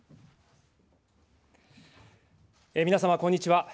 皆様、こんにちは。